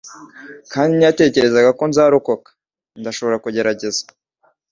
kandi ntiyatekereje ko nzarokoka. Ndashobora kugerageza